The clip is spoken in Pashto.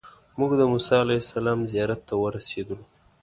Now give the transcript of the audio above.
موږ د موسی علیه السلام زیارت ته ورسېدلو.